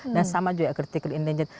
dan sama juga critically endangered